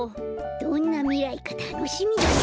どんなみらいかたのしみだな。